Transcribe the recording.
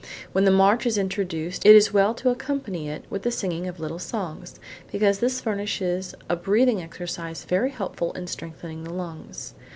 When the march is introduced, it is well to accompany it with the singing of little songs, because this furnishes a breathing exercise very helpful in strengthening the lungs.